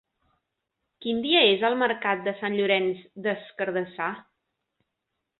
Quin dia és el mercat de Sant Llorenç des Cardassar?